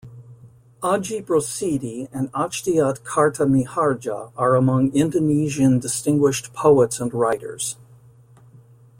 Ajip Rosidi and Achdiat Karta Mihardja are among Indonesian distinguished poets and writers.